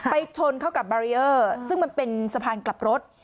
ชนเข้ากับบารีเออร์ซึ่งมันเป็นสะพานกลับรถ